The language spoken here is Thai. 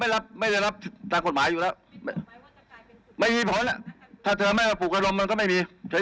ไม่ได้แหลมอยู่ในภูมิหา